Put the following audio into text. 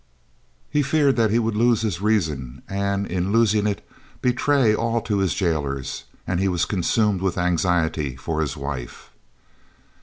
He feared that he would lose his reason and, in losing it, betray all to his jailers, and he was consumed with anxiety for his wife.